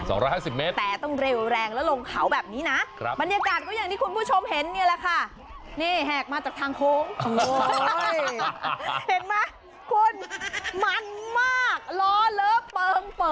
เห็นแล้วก็ควันเข้าโมง